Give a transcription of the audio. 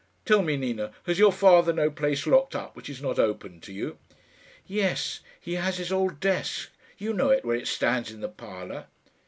Tell me, Nina; has your father no place locked up which is not open to you?" "Yes; he has his old desk; you know it, where it stands in the parlour."